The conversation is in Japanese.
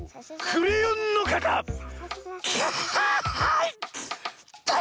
クレヨンのかた！